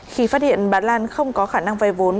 khi phát hiện bà lan không có khả năng vay vốn